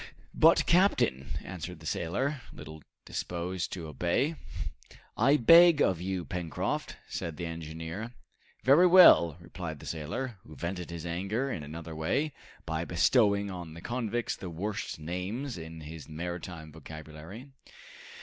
"But, captain " answered the sailor, little disposed to obey. "I beg of you, Pencroft," said the engineer. "Very well!" replied the sailor, who vented his anger in another way, by bestowing on the convicts the worst names in his maritime vocabulary.